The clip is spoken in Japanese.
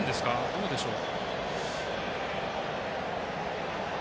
どうでしょう。